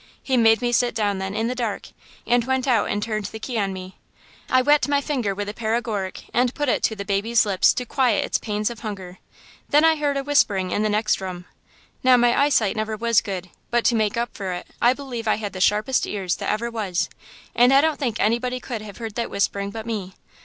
He made me sit down then in the dark, and went out and turned the key on me. I wet my finger with the paregoric and put it to the baby's lips to quiet its pains of hunger. Then I heard a whispering in the next room. Now my eyesight never was good, but to make up for it I believe I had the sharpest ears that ever was, and I don't think anybody could have heard that whispering but me.